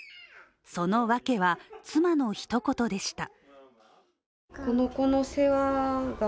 そのわけは、妻のひと言でした。